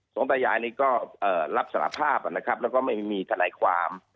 สองตายายนี่ก็รับสารภาพนะครับแล้วก็ไม่มีทนายความ